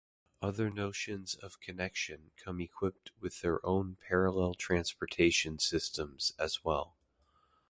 Other notions of connection come equipped with their own parallel transportation systems as well.